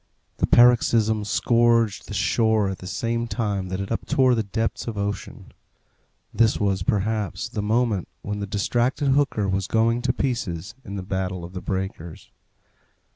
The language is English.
The paroxysm scourged the shore at the same time that it uptore the depths of ocean. This was, perhaps, the moment when the distracted hooker was going to pieces in the battle of the breakers.